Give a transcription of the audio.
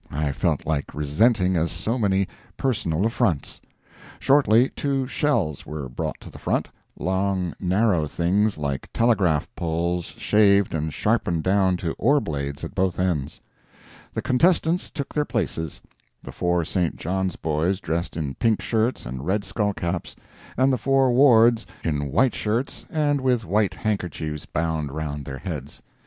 I felt like resenting as so many personal affronts. Shortly two "shells" were brought to the front—long, narrow things like telegraph poles shaved and sharpened down to oar blades at both ends. The contestants took their places—the four St. John's boys dressed in pink shirts and red skull caps, and the four Ward's in white shirts and with white handkerchiefs bound round their heads.